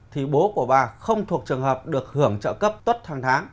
thì bố của bà không thuộc trường hợp được hưởng trợ cấp tốt hàng tháng